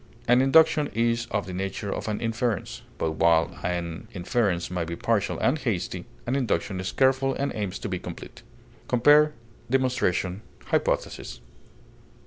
An induction is of the nature of an inference, but while an inference may be partial and hasty, an induction is careful, and aims to be complete. Compare DEMONSTRATION; HYPOTHESIS.